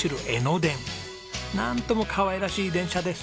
なんともかわいらしい電車です。